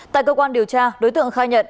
tại cơ quan điều tra đối tượng khai nhận